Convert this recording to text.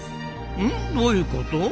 うん？どういうこと？